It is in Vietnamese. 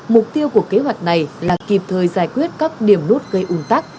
mục tiêu của kế hoạch này là kịp thời giải quyết các điểm nút gây ủn tắc